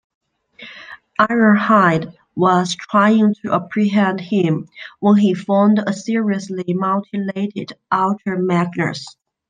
Ironhide was trying to apprehend him when he found a seriously mutilated Ultra Magnus.